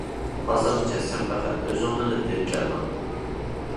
ھازىرغىچە سەن پەقەت ئۆزۈڭنىلا بىلىپ كەلدىڭ!